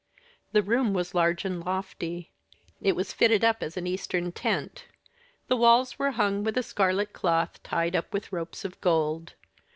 The room was large and lofty. It was fitted up as an Eastern tent. The walls were hung with scarlet cloth tied up with ropes of gold.